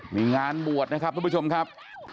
มีงานบวชนะครับทุกผู้ชมครับ